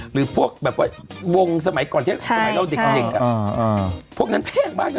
หรือพวกแบบวงสมัยก่อนที่เราเด็กพวกนั้นแพงมาก